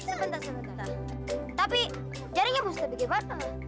sebentar sebentar tapi jaringnya mustahil bikin warna